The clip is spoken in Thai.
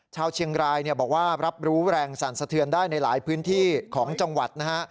ชาวเชียงรายบอกว่ารับรู้แรงสั่นสะเทือนได้ในหลายพื้นที่ของจังหวัดนะฮะ